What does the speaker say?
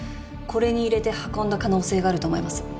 これに入れて運んだ可能性があると思います。